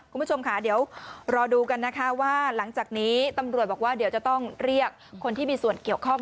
คุณผู้ชมค่ะเดี๋ยวรอดูกันนะคะว่าหลังจากนี้ตำรวจบอกว่าเดี๋ยวจะต้องเรียกคนที่มีส่วนเกี่ยวข้อง